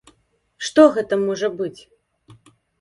Што гэта можа быць?